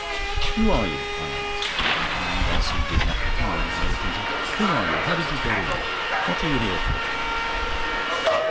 "Who are you?" I asked. And, as he did not reply, I repeated, "Who are you? How did you get in? What are you here for?"